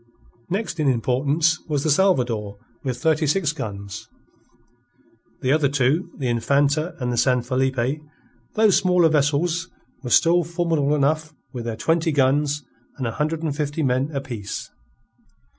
Next in importance was the Salvador with thirty six guns; the other two, the Infanta and the San Felipe, though smaller vessels, were still formidable enough with their twenty guns and a hundred and fifty men apiece.